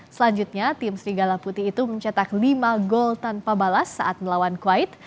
selanjutnya tim serigala putih itu mencetak lima gol tanpa balas saat melawan kuwait